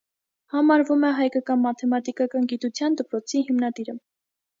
Համարվում է հայկական մաթեմատիկական գիտության դպրոցի հիմնադիրը։